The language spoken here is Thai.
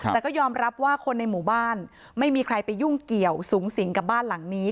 แต่ก็ยอมรับว่าคนในหมู่บ้านไม่มีใครไปยุ่งเกี่ยวสูงสิงกับบ้านหลังนี้